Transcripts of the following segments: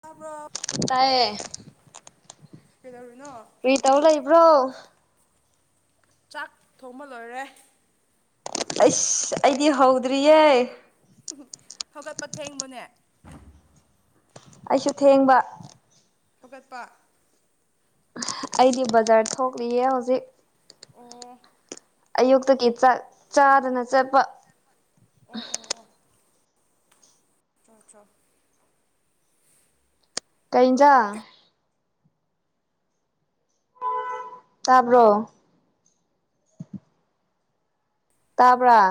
ꯇꯥꯕ꯭ꯔꫭ꯫ ꯇꯥꯏꯌꯦ ꯀꯩꯗꯧꯔꯤꯅꯣ ꯀ꯭ꯔꯤ ꯇꯧ ꯂꯩꯕ꯭ꯔꯣ꯫ ꯆꯥꯛ ꯊꯣꯡꯕ ꯂꯣꯏꯔꯦ꯫ ꯑꯩꯁ ꯑꯩꯗꯤ ꯍꯧꯗ꯭ꯔꯤꯌꯦ ꯍꯧꯒꯠꯄ ꯊꯦꯡꯕꯅꯦ ꯑꯩꯁꯨ ꯊꯦꯡꯕ꯫ ꯐꯨꯒꯠꯄ ꯑꯩꯗꯤ ꯕꯖꯥꯔ ꯊꯣꯛꯂꯤꯌꯦ ꯍꯧꯖꯤꯛ ꯑꯣ ꯑꯌꯨꯛꯇꯒꯤ ꯆꯥꯛ ꯆꯥꯗꯅ ꯆꯠꯄ ꯑꯣ ꯑꯣ ꯑꯣ ꯆꯣ ꯆꯣ ꯀꯩ ꯏꯟꯖꯥꯡ ꯇꯥꯕ꯭ꯔꯣ ꯇꯥꯕ꯭ꯔꯥ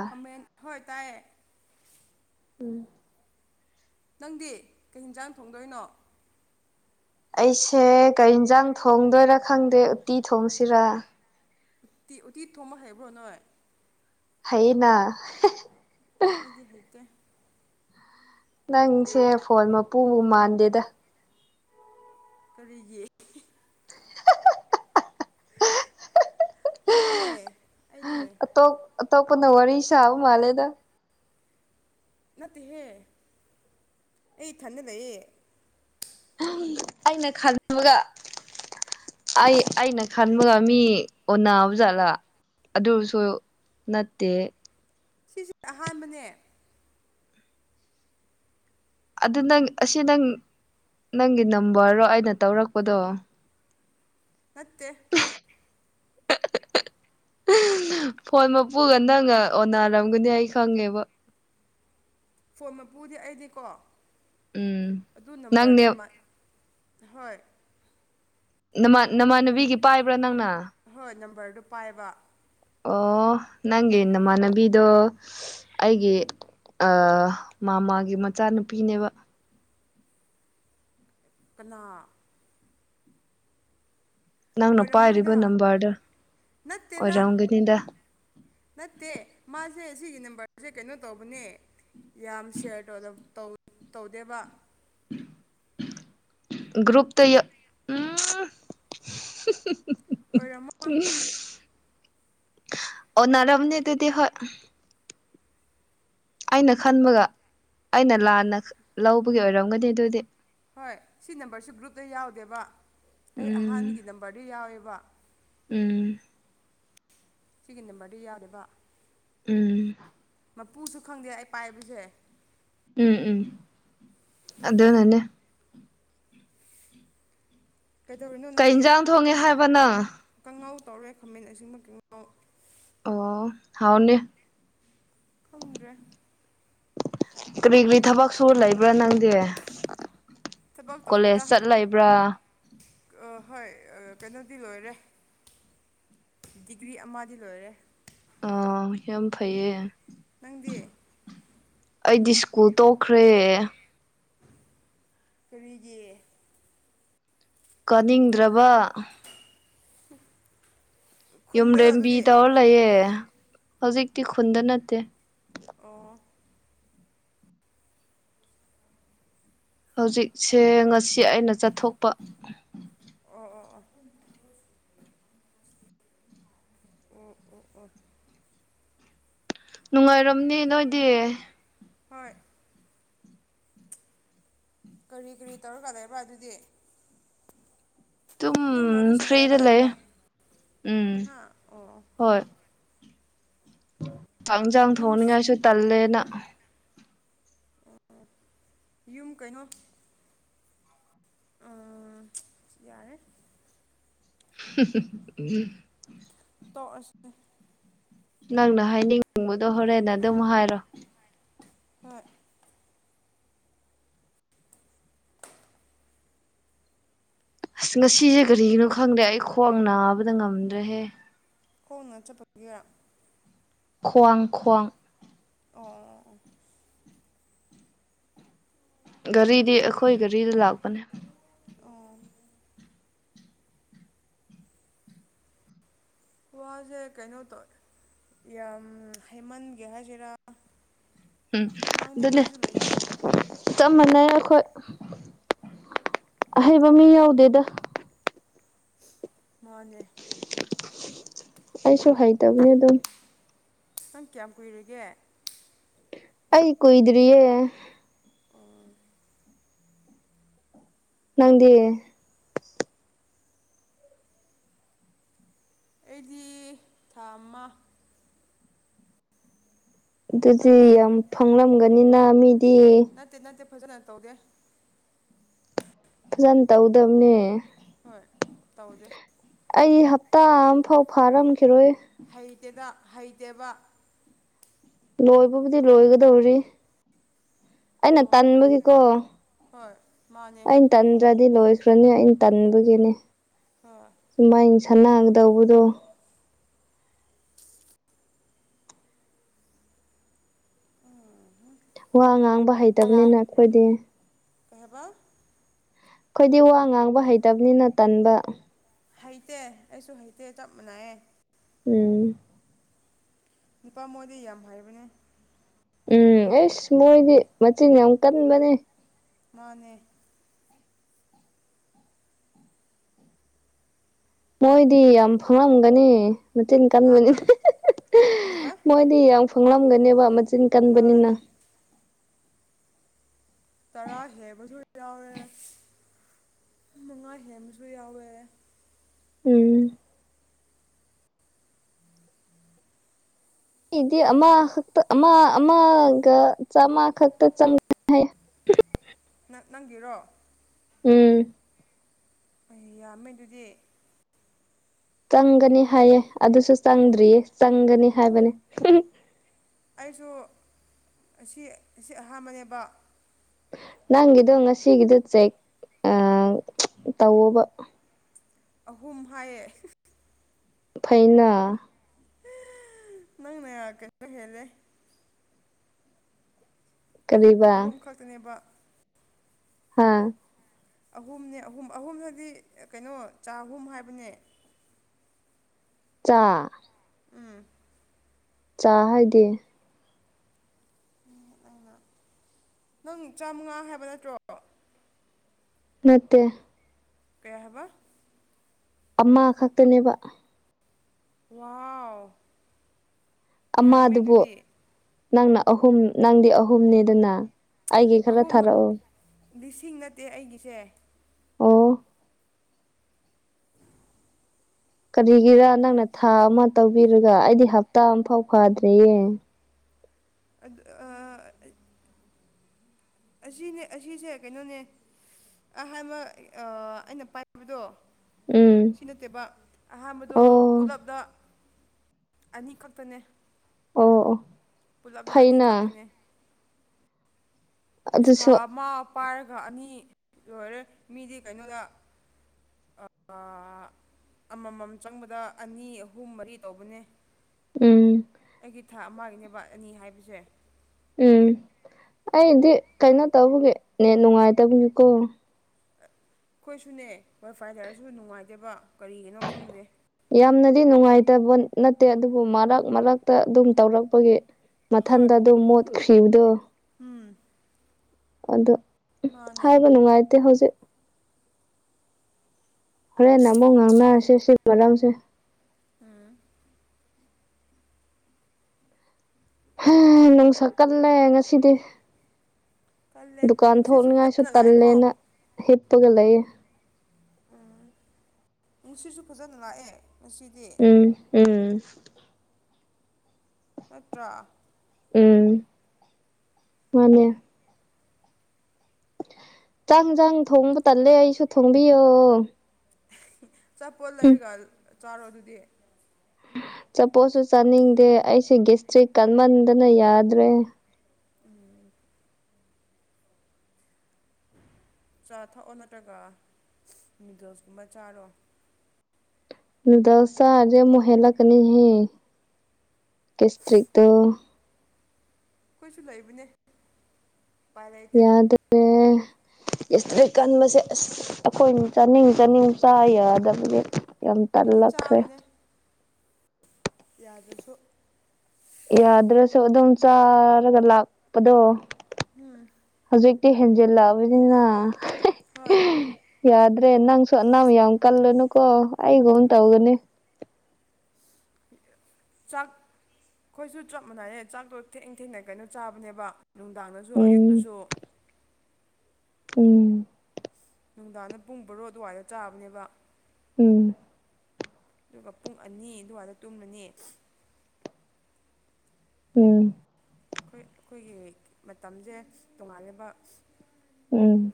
ꯍꯣꯏ ꯇꯥꯏꯌꯦ ꯎꯝ ꯅꯪꯗꯤ ꯀꯩ ꯍꯤꯟꯖꯥꯡ ꯊꯣꯡꯗꯣꯏꯅꯣ ꯑꯩꯁꯦ ꯀꯩ ꯏꯟꯖꯥꯡ ꯊꯣꯡꯗꯣꯏꯔꯥ ꯈꯪꯗꯦ ꯎꯇꯤ ꯊꯣꯡꯁꯤꯔꯥ ꯎꯇꯤ ꯎꯇꯤ ꯊꯣꯡꯕ ꯍꯩꯕ꯭ꯔꯣ ꯅꯣꯏ ꯍꯩꯌꯦꯅꯥ ꯑꯩꯗꯤ ꯍꯩꯇꯦ ꯅꯪꯁꯦ ꯐꯣꯟ ꯃꯄꯨꯕꯨ ꯃꯥꯟꯗꯦꯗꯥ ꯀꯔꯤꯒꯤ ꯃꯥꯅꯦ ꯑꯩꯅꯦ ꯑꯇꯣꯞ ꯑꯇꯣꯞꯄꯅ ꯋꯥꯔꯤ ꯁꯥꯥꯕ ꯃꯥꯜꯂꯦꯗꯥ ꯅꯠꯇꯦꯍꯦ ꯑꯩ ꯏꯊꯟꯗꯥ ꯂꯩꯌꯦ ꯑꯩꯅ ꯈꯟꯕꯒꯥ ꯑꯩ ꯑꯩꯅ ꯈꯟꯕꯒꯥ ꯃꯤ ꯎꯨꯟꯅꯕꯖꯥꯠꯂꯥ ꯑꯗꯨꯁꯨ ꯅꯠꯇꯦ ꯁꯤ ꯑꯍꯥꯟꯕꯅꯦ ꯑꯗꯨ ꯅꯪ ꯑꯁꯤ ꯅꯪ ꯅꯪꯒꯤ ꯅꯝꯕꯔꯔꯣ ꯑꯩꯅ ꯇꯧꯔꯛꯄꯗꯣ ꯅꯠꯇꯦ ꯐꯣꯟ ꯃꯄꯨꯒꯥ ꯅꯪꯒꯥ ꯑꯣꯟꯅꯔꯝꯒꯅꯤ ꯑꯩ ꯈꯪꯉꯦꯕ ꯐꯣꯟ ꯃꯄꯨꯗꯤ ꯑꯩꯗꯤꯀꯣ ꯎꯝ ꯑꯗꯨ ꯅꯝꯕꯔꯗꯣ ꯅꯪꯅꯦ ꯏꯃꯥꯟ ꯍꯣꯏ ꯅꯃꯥꯟ ꯅꯃꯥꯟꯅꯨꯕꯤꯒꯤ ꯄꯥꯏꯕ꯭ꯔꯥ ꯅꯪꯅ ꯍꯣꯏ ꯅꯝꯕꯔꯗꯨ ꯄꯥꯏꯕ ꯑꯣ ꯅꯪꯒꯤ ꯅꯃꯥꯟꯅꯕꯤ ꯑꯗꯣ ꯑꯩꯒꯤ ꯃꯥꯝꯃꯥꯒꯤ ꯃꯆꯥ ꯅꯨꯄꯤꯅꯦꯕ ꯀꯅꯥ ꯅꯪꯅ ꯄꯥꯏꯔꯤꯕ ꯑꯣꯏꯔꯝꯃꯣꯏꯗ ꯅꯝꯕꯔꯗꯨ ꯅꯠꯇꯦꯗ ꯑꯣꯏꯔꯝꯒꯅꯤꯗ꯫ ꯅꯠꯇꯦ ꯃꯥꯁꯦ ꯁꯤꯒꯤ ꯅꯝꯕꯔꯁꯦ ꯀꯩꯅꯣ ꯇꯧꯕꯅꯦ꯫ ꯌꯥꯝ ꯁꯤꯌꯔ ꯇꯣꯗ ꯇꯧꯗꯦꯕ꯫ ꯒ꯭ꯔꯨꯨꯞꯇ ꯌꯥꯎ ꯎꯝ꯫ ꯑꯣꯏꯔꯝꯃꯣꯏ [inaudible] ꯑꯣꯅꯔꯝꯅꯤ ꯑꯗꯨꯗꯤ ꯍꯣꯢ ꯑꯩꯅ ꯈꯟꯕꯒ ꯑꯩꯅ ꯂꯥꯟꯅ ꯂꯧꯕꯒꯤ ꯑꯣꯏꯔꯝꯒꯅꯤ ꯑꯗꯨꯗꯤ꯫ ꯍꯣꯏ ꯁꯤ ꯅꯝꯕꯔꯁꯤ ꯒ꯭ꯔꯨꯞꯇꯥ ꯌꯥꯎꯗꯦꯕ ꯑꯩ ꯎꯝ ꯑꯍꯥꯟꯒꯤ ꯅꯝꯕꯔꯗ ꯌꯥꯎꯋꯦꯕ ꯎꯝ ꯁꯤꯒꯤ ꯅꯝꯕꯔꯗꯤ ꯌꯥꯎꯗꯕ ꯎꯝ ꯃꯄꯨꯁꯨ ꯈꯪꯗꯦ ꯑꯩ ꯄꯥꯏꯕꯁꯦ ꯎꯝ ꯎꯝ ꯑꯗꯨꯅꯅꯦ ꯀꯩꯗꯧꯔꯤꯅꯣ ꯀꯩ ꯅꯪꯗꯤ ꯏꯟꯖꯥꯡ ꯊꯣꯡꯉꯦ ꯍꯥꯏꯕ ꯅꯪ ꯀꯉꯥꯎ ꯇꯧꯔꯦ ꯈꯥꯃꯦꯟ ꯑꯁꯤꯟꯕ ꯀꯥꯡꯉꯧ ꯑꯣ ꯍꯥꯎꯅꯤ ꯈꯪꯗꯔꯦ ꯀꯔꯤ ꯀꯔꯤ ꯊꯕꯛꯁꯨ ꯂꯩꯕ꯭ꯔꯥ ꯅꯪꯗꯤ ꯊꯕꯛ ꯇꯧꯗꯦꯗ ꯀꯣꯂꯦꯖ ꯆꯠ ꯂꯩꯕ꯭ꯔꯥ ꯍꯣꯏ ꯀꯩꯅꯣꯗꯤ ꯂꯣꯏꯔꯦ ꯗꯤꯒ꯭ꯔꯤ ꯑꯃꯗꯤ ꯂꯣꯏꯔꯦ ꯑꯣ ꯌꯥꯝ ꯐꯩꯌꯦ ꯅꯪꯗꯤ ꯑꯩꯗꯤ ꯁ꯭ꯀꯨꯜ ꯇꯣꯛꯈ꯭ꯔꯦ ꯀꯔꯤꯒꯤ ꯀꯥꯅꯤꯡꯗ꯭ꯔꯕ ꯈꯨꯟꯗꯔꯣ ꯌꯨꯝꯔꯦꯝꯕꯤ ꯑꯗꯨꯗꯤ ꯇꯧꯔ ꯂꯩꯌꯦꯦ ꯍꯧꯖꯤꯛꯇꯤ ꯈꯨꯟꯗ ꯅꯠꯇꯦ ꯑꯣ ꯍꯧꯖꯤꯛꯁꯦ ꯉꯁꯤ ꯑꯩꯅ ꯆꯠꯊꯣꯛꯄ ꯑꯣ ꯑꯣ ꯑꯣ ꯑꯣ ꯑꯣ ꯑꯣ ꯅꯨꯡꯉꯥꯏꯔꯝꯅꯦ ꯅꯣꯏꯗꯤ ꯍꯣꯏ ꯀꯔꯤ ꯀꯔꯤ ꯇꯧꯔꯀꯥꯟ ꯂꯩꯕ ꯑꯗꯨꯗꯤ ꯗꯨꯝ ꯑꯗꯨꯝ ꯃꯔꯤ ꯁꯨꯅꯔꯒ ꯐ꯭ꯔꯤꯗ ꯂꯩꯌꯦ ꯂꯩꯕ꯭ꯔꯥ ꯎꯝ ꯍꯥ ꯑꯣ ꯆꯥꯛꯟꯁꯥꯡ ꯌꯨꯝ ꯊꯣꯡꯅꯤꯡꯉꯥꯏꯁꯨ ꯇꯜꯂꯦꯅ ꯌꯨꯝ ꯀꯩꯅꯣ ꯎꯝ ꯌꯥꯔꯦ ꯎꯝ ꯇꯣ ꯑꯁꯤꯁ ꯅꯪꯅ ꯍꯥꯏꯅꯤꯡꯅꯤꯡꯕꯗꯣ ꯍꯣꯔꯦꯟꯅ ꯑꯗꯨꯝ ꯍꯥꯏꯔꯣ ꯍꯣꯏ ꯑꯁ ꯉꯁꯤꯁꯦ ꯀꯔꯤꯒꯤꯅꯣ ꯈꯪꯗꯦ ꯑꯩ ꯈ꯭ꯋꯥꯡ ꯅꯥꯕꯗ ꯉꯝꯗ꯭ꯔꯦꯍꯦ ꯈꯣꯡꯅꯅ ꯆꯠꯄꯒꯤꯔꯥ ꯈ꯭ꯋꯥꯡ ꯈ꯭ꯋꯥꯡ ꯑꯣ ꯒꯥꯔꯤꯗꯤ ꯑꯩꯈꯣꯏ ꯒꯥꯔꯤꯗ ꯂꯥꯛꯄꯅꯦ ꯑꯣ ꯋꯥꯁꯦ ꯀꯩꯅꯣ ꯇꯧ ꯌꯥꯝ ꯍꯥꯏꯩꯃꯟꯒꯦ ꯍꯥꯏꯁꯤꯔꯥ ꯎꯝ ꯑꯗꯨꯅ ꯉꯥꯡꯅꯤꯡꯉꯥꯏꯁꯨ ꯂꯩꯇꯦ ꯆꯞ ꯃꯥꯟꯅꯩ ꯑꯩꯈꯣꯏ ꯑꯍꯩꯕ ꯃꯤ ꯌꯥꯎꯗꯦꯗ ꯃꯅꯦ ꯑꯩꯁꯨ ꯍꯩꯇꯕꯅꯦ ꯑꯗꯨꯝ ꯅꯪ ꯀꯌꯥꯝ ꯀꯨꯏꯔꯒꯦ ꯑꯩ ꯀꯨꯏꯗ꯭ꯔꯤꯌꯦ ꯅꯪꯗꯤ ꯑꯩꯗꯤ ꯊꯥ ꯑꯃ ꯑꯗꯨꯗꯤ ꯅꯪꯗꯤ ꯌꯥꯝ ꯐꯪꯂꯝꯒꯅꯤꯅ ꯃꯤꯗꯤ ꯅꯠꯇꯦ ꯅꯠꯇꯦ ꯐꯖꯅ ꯇꯧꯗꯦ ꯐꯖꯅ ꯇꯧꯗꯕꯅꯦ ꯍꯣꯏ ꯇꯧꯗꯦ ꯑꯩ ꯍꯞꯇꯥ ꯑꯃꯐꯥꯎ ꯐꯥꯔꯝꯈꯤꯔꯣꯏ ꯍꯩꯇꯦꯗ ꯍꯩꯇꯦꯕ ꯂꯣꯏꯕꯕꯨꯗꯤ ꯂꯣꯏꯒꯗꯧꯔꯤ ꯑꯩꯅ ꯑꯣ ꯇꯟꯕꯒꯤꯀꯣ ꯍꯣꯏ ꯃꯥꯅꯦ ꯑ ꯇꯟꯗ꯭ꯔꯗꯤ ꯂꯣꯏꯈ꯭ꯔꯅꯤ ꯑꯩꯅ ꯇꯟꯕꯒꯤꯅꯤ ꯍꯣꯏ ꯁꯨꯃꯥꯏꯅ ꯁꯥꯟꯅꯒꯗꯧꯕꯗꯣ ꯋꯥ ꯉꯥꯡꯕ ꯍꯩꯇꯕꯅꯤꯅ ꯑꯩꯈꯣꯏꯗꯤ ꯀꯩ ꯍꯥꯏꯕ ꯑꯩꯈꯣꯏꯗꯤ ꯋꯥ ꯉꯥꯡꯕ ꯍꯩꯇꯕꯅꯤꯅ ꯇꯟꯕ ꯍꯩꯇꯦ ꯑꯩꯁꯨ ꯍꯩꯇꯦ ꯆꯞ ꯃꯥꯟꯅꯩꯌꯦ ꯎꯝ ꯅꯨꯄꯥ ꯃꯣꯏꯗꯤ ꯌꯥꯝ ꯍꯩꯕꯅꯦ ꯎꯝ ꯑꯦꯁ ꯃꯣꯏꯗꯤ ꯃꯆꯤꯟ ꯌꯥꯝ ꯀꯟꯕꯅꯦ ꯃꯥꯅꯦ ꯃꯣꯏꯗꯤ ꯌꯥꯝ ꯐꯪꯉꯝꯒꯅꯤ ꯃꯆꯤꯟ ꯍꯥ ꯀꯟꯕꯅꯤꯅ ꯀꯩ ꯍꯥꯏꯕ ꯃꯣꯏ ꯌꯥꯝ ꯐꯪꯂꯝꯒꯅꯦꯕ ꯃꯆꯤꯟ ꯀꯟꯕꯅꯤꯅ ꯃꯥꯅꯦ ꯇꯔꯥ ꯍꯦꯟꯕꯁꯨ ꯌꯥꯎꯋꯦ ꯃꯉꯥ ꯍꯦꯟꯕꯁꯨ ꯌꯥꯎꯋꯦ ꯎꯝ ꯑꯩꯗꯤ ꯑꯃꯈꯛꯇ ꯑꯃ ꯑꯃꯒ ꯆꯥꯝꯃ ꯈꯛꯇ ꯆꯪ ꯅꯪ ꯅꯪꯒꯤꯔꯣ ꯎꯝ ꯑꯩ ꯌꯥꯝꯃꯦ ꯑꯗꯨꯗꯤ ꯆꯪꯒꯅꯤ ꯍꯥꯏꯌꯦ ꯑꯗꯨꯁꯨ ꯆꯪꯗ꯭ꯔꯤꯌꯦ ꯆꯪꯒꯅꯤ ꯍꯥꯏꯕꯅꯦ ꯑꯩꯁꯨ ꯑꯁꯤ ꯉꯁꯤ ꯑꯍꯥꯟꯕꯅꯦꯕ ꯅꯪꯒꯤꯗꯣ ꯉꯁꯤꯒꯤꯗꯣ ꯆꯦꯛ ꯑꯥ ꯇꯧꯑꯣꯕ ꯑꯍꯨꯝ ꯍꯥꯏꯌꯦ ꯐꯩꯅꯥ ꯅꯪꯅ ꯀꯩꯅꯣ ꯍꯦꯜꯂꯦ ꯀꯔꯤꯕ ꯑꯍꯨꯝ ꯈꯛꯇꯅꯦꯕ ꯍꯥꯥ ꯑꯍꯨꯝꯅꯦ ꯑꯍꯨꯝ ꯑꯍꯨꯝꯍꯥꯘꯗꯤ ꯀꯩꯅꯣ ꯆꯥꯍꯨꯝ ꯍꯥꯏꯕꯅꯦ ꯆꯥ ꯎꯝ ꯆꯥ ꯍꯥꯏꯗꯤ ꯅꯪ ꯆꯥꯃꯉꯥ ꯍꯥꯏꯕ ꯅꯠꯇ꯭ꯔꯣ ꯅꯠꯇꯦ ꯀꯩ ꯍꯥꯏꯕ ꯑꯃ ꯈꯛꯇꯅꯦꯕ ꯋꯥꯎ ꯌꯥꯝꯃꯦ ꯑꯃꯗꯨꯕꯨ ꯑꯗꯨꯗꯤ ꯅꯪꯅ ꯑꯍꯨꯝ ꯅꯪꯗꯤ ꯑꯍꯨꯝꯅꯦꯗꯅ ꯑꯩꯒꯤ ꯈꯔ ꯑꯍꯨꯝ ꯊꯥꯔꯛꯑꯣ ꯂꯤꯁꯤꯡ ꯅꯠꯇꯦ ꯑꯩꯒꯤꯁꯦ ꯑꯣ ꯀꯔꯤꯒꯤꯔꯥ ꯅꯪꯅ ꯊꯥ ꯑꯃ ꯇꯧꯕꯤꯔꯒ ꯑꯩꯗꯤ ꯍꯞꯇꯥ ꯑꯃꯐꯥꯎ ꯐꯗ꯭ꯔꯦꯌꯦ ꯑꯗꯨ ꯑꯥ ꯑꯥ ꯑꯁꯤꯅꯦ ꯑꯁꯤꯁꯦ ꯀꯩꯅꯣꯅꯦ ꯑꯍꯥꯟꯕ ꯑꯩꯅ ꯄꯥꯏꯕꯗꯣ ꯎꯝ ꯁꯤ ꯅꯠꯇꯦꯕ ꯑꯍꯥꯟꯕꯗꯣ ꯑꯣ ꯄꯨꯂꯞꯗ ꯑꯅꯤꯈꯛꯇꯅꯦ ꯑꯣ ꯑꯣ ꯄꯨꯜꯂꯞꯗ ꯐꯩꯅ ꯑꯅꯤꯈꯛꯇꯅꯦ ꯏꯁ ꯊꯥ ꯑꯗꯨꯁꯨ ꯑꯃ ꯄꯥꯏꯔꯒ ꯑꯅꯤ ꯂꯣꯏꯔꯦ ꯃꯤꯗꯤ ꯀꯩꯅꯣꯗ ꯑꯥ ꯑꯃꯃꯝ ꯆꯪꯕꯗ ꯑꯅꯤ ꯑꯍꯨꯝ ꯃꯔꯤ ꯇꯧꯕꯅꯦ ꯎꯝ ꯑꯩꯒꯤ ꯊꯥ ꯑꯃꯒꯤꯅꯦꯕ ꯑꯅꯤ ꯍꯥꯏꯕꯁꯦ ꯎꯝ ꯑꯩꯗꯤ ꯀꯩꯅꯣ ꯇꯧꯕꯒꯤ ꯅꯦꯠ ꯅꯨꯡꯉꯥꯏꯇꯕꯒꯤꯀꯣ ꯑꯩꯈꯣꯏꯁꯨꯅꯦ ꯋꯥꯏ ꯐꯥꯏ ꯍꯥꯏꯔꯁꯨ ꯅꯨꯡꯉꯥꯏꯇꯕ ꯀꯔꯤꯒꯤꯅꯣ ꯈꯪꯗꯦ ꯌꯥꯝꯅꯗꯤ ꯅꯨꯡꯉꯥꯏꯇꯕ ꯅꯠꯇꯦ ꯑꯗꯨꯕꯨ ꯃꯔꯛ ꯃꯔꯛꯇ ꯑꯗꯨꯝ ꯇꯧꯔꯛꯄꯒꯤ ꯍꯣꯏ ꯃꯊꯟꯗ ꯑꯗꯨꯝ ꯃꯣꯠꯈ꯭ꯈꯤꯕꯗꯣ ꯑꯗꯣ ꯃꯥꯅꯦ ꯍꯥꯏꯕ ꯅꯨꯡꯉꯥꯏꯇꯦ ꯍꯧꯖꯤꯛ ꯍꯣꯔꯦꯟ ꯑꯃꯨꯛ ꯉꯥꯡꯅꯔꯁꯦ ꯁꯤꯒꯤ ꯃꯔꯝꯁꯦ ꯎꯝ ꯍ ꯅꯪ ꯁꯛꯀꯜꯂꯦ ꯉꯁꯤꯗꯤ ꯀꯜꯂꯦ ꯗꯨꯀꯥꯟ ꯅꯨꯡꯁꯤꯠꯁꯨ ꯊꯣꯛꯅꯤꯡꯉꯥꯏꯁꯨ ꯐꯖꯅ ꯂꯥꯛꯑꯦꯀꯣ ꯇꯜꯂꯦꯅ ꯍꯤꯞꯄꯒ ꯂꯩꯑꯦ ꯎꯝ ꯅꯨꯡꯁꯤꯠꯁꯨ ꯐꯖꯅ ꯂꯥꯛꯑꯦ ꯉꯥꯁꯤꯗꯤ ꯎꯝ ꯎꯝ ꯅꯠꯇ꯭ꯔ ꯎꯝ ꯃꯥꯅꯦ ꯆꯪ ꯆꯪ ꯊꯣꯡꯕ ꯇꯜꯂꯦ ꯑꯩꯁꯨ ꯊꯣꯡꯕꯤꯌꯣ ꯆꯞꯄꯣꯠ ꯂꯩꯔꯒ ꯆꯥꯔꯣ ꯑꯗꯨꯗꯤ ꯆꯄꯣꯠꯁꯨ ꯆꯥꯅꯤꯡꯗꯦ ꯑꯩꯁꯦ ꯇ꯭ꯔꯤꯛ ꯀꯟꯃꯟꯗꯅ ꯌꯥꯗ꯭ꯔꯦ ꯎꯝ ꯆꯥ ꯊꯛꯑꯣ ꯅꯠꯇ꯭ꯔꯒ ꯅꯨꯗꯜꯁꯀꯨꯝꯕ ꯆꯥꯔꯣ ꯅꯨꯗꯜ ꯆꯥꯔꯁꯨ ꯑꯃꯨꯛ ꯍꯦꯜꯂꯛꯀꯅꯤꯍꯦ ꯀꯦꯁꯇ꯭ꯔꯤꯛꯇꯣ ꯑꯩꯈꯣꯏꯁꯨ ꯂꯩꯕꯅꯦ ꯎꯄꯥꯏ ꯂꯩꯇꯦ ꯌꯥꯗꯦ [inaudible] ꯏꯁꯇ꯭ꯔꯤꯛ ꯀꯟꯕꯁꯦ ꯑꯁ ꯑꯩꯈꯣꯏꯅ ꯆꯥꯅꯤꯡ ꯆꯥꯅꯤꯡ ꯆꯥ ꯌꯥꯗꯕꯗꯤ ꯌꯥꯝ ꯑꯩꯗꯤ ꯇꯜꯂꯛꯈ꯭ꯔꯦ ꯆꯥꯕꯅꯦ ꯌꯥꯗ꯭ꯔꯁꯨ ꯌꯥꯗ꯭ꯔꯁꯨ ꯑꯗꯨꯝ ꯆꯥꯔꯒ ꯂꯥꯛꯄꯗꯣ ꯎꯝ ꯍꯧꯖꯤꯛꯇꯤ ꯍꯦꯟꯖꯜꯂꯛꯑꯕꯅꯤꯅ ꯍꯣꯏ ꯌꯥꯗ꯭ꯔꯦ ꯅꯪ ꯁꯨ ꯑꯅꯥꯝ ꯌꯥꯝ ꯀꯜꯂꯨꯅꯨꯀꯣ ꯑꯩꯒꯝ ꯇꯧꯒꯅꯤ ꯆꯥꯛ ꯑꯈꯣꯏꯁꯨ ꯆꯞ ꯃꯥꯟꯅꯩꯌꯦ ꯆꯥꯛꯇꯣ ꯊꯦꯡ ꯊꯦꯡꯅ ꯀꯩꯅꯣ ꯆꯥꯕꯅꯦꯕ ꯅꯨꯡꯗꯥꯡꯗꯁꯨ ꯎꯝ ꯑꯌꯨꯛꯇꯁꯨ ꯎꯝ ꯅꯨꯡꯗꯥꯡꯗ ꯄꯨꯡ ꯕꯔꯣ ꯑꯗꯨꯋꯥꯏꯗ ꯆꯥꯕꯅꯦꯕ ꯎꯝ ꯑꯗꯨꯒ ꯄꯨꯡ ꯑꯅꯤ ꯑꯗꯨꯋꯥꯏꯗ ꯇꯨꯝꯃꯅꯤ ꯎꯝ ꯑꯩꯈꯣꯏ ꯑꯩꯈꯣꯏꯒꯤ ꯃꯇꯝꯖꯦ ꯇꯣꯉꯥꯜꯂꯦꯕ ꯎꯝ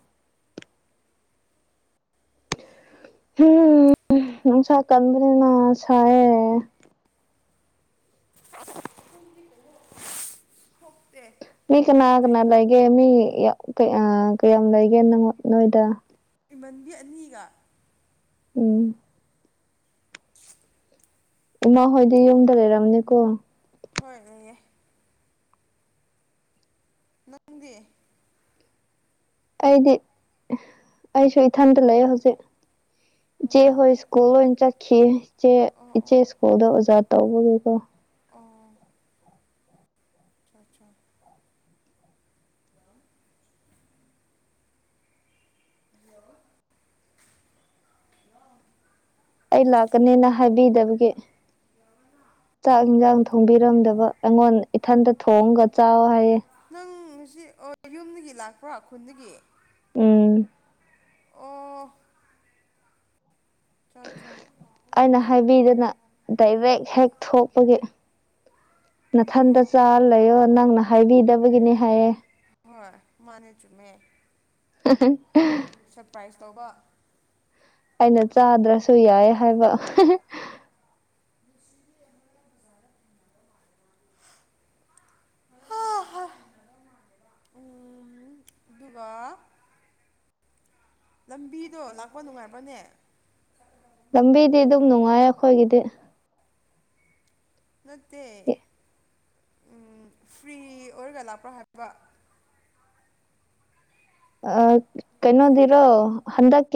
ꯎ [inaudible] ꯍꯨꯝ ꯅꯨꯡꯁꯥ ꯀꯟꯕꯅꯤꯅ ꯁꯥꯌꯦ ꯐꯣꯛꯇꯦ [inaudible] ꯃꯤ ꯀꯅꯥ ꯀꯅꯥ ꯂꯩꯒꯦ ꯃꯤ ꯀꯌꯥꯝ ꯂꯩꯒꯦ ꯅꯣꯏꯗ ꯏꯃꯟꯕꯤ ꯑꯅꯤꯒ ꯎꯝ [unintelligible] ꯏꯃꯥ ꯍꯣꯏꯗꯤ ꯌꯨꯝꯗ ꯂꯩꯔꯝꯅꯤꯀꯣ ꯍꯣꯏꯑꫭꯏꯌꯦ ꯅꯪꯗꯤ ꯑꯩꯗꯤ ꯑꯩꯁꯨ ꯏꯊꯟꯇ ꯂꯩꯑꯦ ꯍꯧꯖꯤꯛ ꯏꯆꯦ ꯍꯣꯏ ꯁ꯭ꯀꯨꯜ ꯂꯣꯏꯅ ꯆꯠꯈꯤꯌꯦ ꯏꯆꯦ ꯑꯣ ꯑꯣ ꯏꯆꯦꯁ ꯇꯧꯗꫭ ꯑꯣꯖꯥ ꯇꯧꯕꯒꯤꯀꯣ ꯑꯣ ꯑꯆꯥ ꯆꯥ ꯍꯜꯂꯣ ꯍꯜꯂꯣ ꯑꯩ ꯂꯥꯛꯀꯅꯦꯅ ꯍꯥꯏꯕꯤꯗꯕꯒꯤ ꯆꯥꯛ ꯌꯦꯟꯁꯥꯡ ꯊ ꯊꯣꯡꯕꯤꯔꯝꯗꯕ ꯑꯩꯉꯣꯟ ꯏꯊꯟꯇ ꯊꯣꯡꯒ ꯆꯥꯎ ꯍꯥꯏꯌꯦ ꯅꯪ ꯉꯁꯤ ꯑꯣ ꯌꯨꯝꯗꯒꯤ ꯂꯥꯛꯄ꯭ꯔ ꯈꯨꯟꯗꯒꯤ ꯎꯝ ꯑꯣ ꯑꯆ ꯆ ꯑꯩꯅ ꯍꯥꯏꯕꯤꯗꯅ ꯗꯥꯏꯔꯦꯛ ꯍꯦꯛ ꯊꯣꯛꯄꯒꯤ ꯅꯥꯊꯟꯇ ꯑꯣ ꯆꯥ ꯂꯩꯌꯣ ꯅꯪꯅ ꯍꯥꯏꯕꯤꯗꯕꯒꯤꯅꯤ ꯍꯥꯏꯌꯦ ꯍꯣꯏ ꯃꯥꯅꯦ ꯆꯨꯝꯃꯦ ꯁꯔꯄ꯭ꯔꯥꯏꯖ ꯇꯧꯕ ꯑꯩꯅ ꯆꯥꯗ꯭ꯔꯁꯨ ꯌꯥꯏ ꯍꯥꯏꯕ ꯁꯨꯔ [inaudible] ꯍꯥꯍꯥ ꯎꯝ ꯑꯗꯨꯒ ꯂꯝꯕꯤꯗꯣ ꯂꯥꯛꯄ ꯅꯨꯡꯉꯥꯏꯕ꯭ꯔꯅꯦ ꯂꯝꯕꯤꯗꯤ ꯑꯗꯨꯝ ꯅꯨꯡꯉꯥꯏ ꯑꯩꯈꯣꯏꯒꯤꯗꯤ ꯅꯠꯇꯦ ꯐ꯭ꯔꯤ ꯑꯣꯏꯔꯒ ꯂꯥꯛꯄ꯭ꯔꯣ ꯍꯥꯏꯕ ꯑꯥ ꯀꯩꯅꯣ ꯅꯣꯗꯤꯔꯣ ꯍꯟꯗꯛ